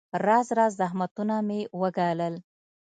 راز راز زحمتونه مې وګالل.